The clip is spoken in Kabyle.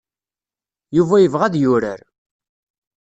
Yuba ibɣa ad yurar.